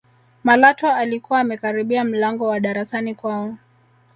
malatwa alikuwa amekaribia mlango wa darasani kwao